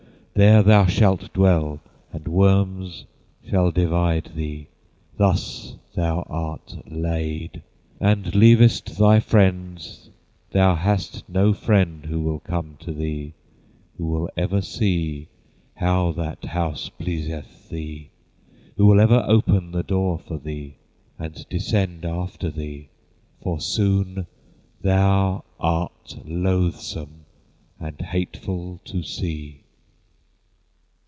There thou shalt dwell, And worms shall divide thee. Thus thou art laid, And leavest thy friends Thou hast no friend, Who will come to thee, Who will ever see How that house pleaseth thee; Who will ever open The door for thee, And descend after thee; For soon thou art loathsome And hateful to see.